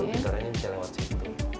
intaranya bisa lewat situ